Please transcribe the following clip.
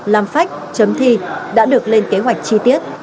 làm phách chấm thi đã được lên kế hoạch chi tiết